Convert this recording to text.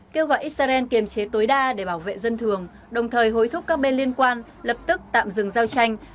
kêu gọi israel kiềm chế tối đa để bảo vệ dân thường đồng thời hối thúc các bên liên quan lập tức tạm dừng giao tranh